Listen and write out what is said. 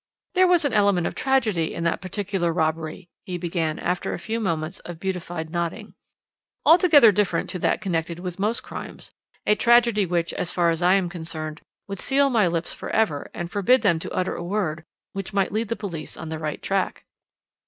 "There was an element of tragedy in that particular robbery," he began, after a few moments of beatified knotting, "altogether different to that connected with most crimes; a tragedy which, as far as I am concerned, would seal my lips for ever, and forbid them to utter a word, which might lead the police on the right track."